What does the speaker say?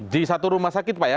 di satu rumah sakit pak ya